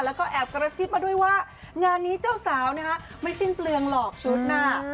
แล้วก็แอบกระซิบมาด้วยว่างานนี้เจ้าสาวนะคะไม่สิ้นเปลืองหรอกชุดหน้า